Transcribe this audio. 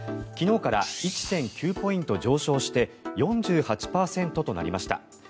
昨日から１．９ポイント上昇して４８％となりました。